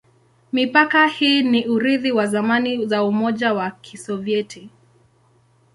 Mipaka hii ni urithi wa zamani za Umoja wa Kisovyeti.